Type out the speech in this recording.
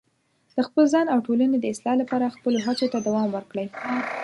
د خپل ځان او ټولنې د اصلاح لپاره خپلو هڅو ته دوام ورکړئ.